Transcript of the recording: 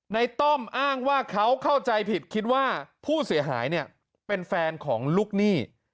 ต้อมอ้างว่าเขาเข้าใจผิดคิดว่าผู้เสียหายเนี่ยเป็นแฟนของลูกหนี้